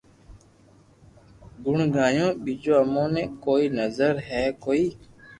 گڻ گايو ٻيجو امو ني ڪوئي نظر ھي ڪوئي